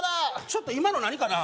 ちょっと今の何かな？